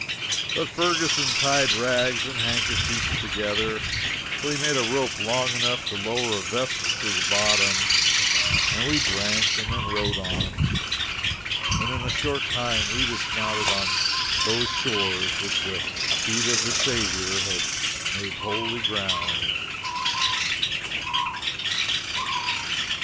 But Ferguson tied rags and handkerchiefs together till he made a rope long enough to lower a vessel to the bottom, and we drank and then rode on; and in a short time we dismounted on those shores which the feet of the Saviour have made holy ground.